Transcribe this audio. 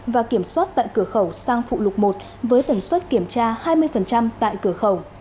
và kiểm soát tại cửa khẩu sang phụ lục một với tần suất kiểm tra hai mươi tại cửa khẩu